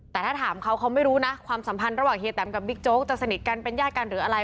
แต่ถ้าถามเขาเขาไม่รู้นะความสัมพันธ์ระหว่างเฮียแตมกับบิ๊กโจ๊กจะสนิทกันเป็นญาติกันหรืออะไร